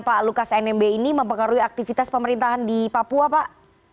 pak lukas nmb ini mempengaruhi aktivitas pemerintahan di papua pak